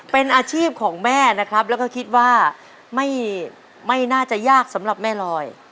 เป็นอาชีพของแม่นะครับแล้วก็คิดว่าไม่น่าจะยากสำหรับแม่ลอย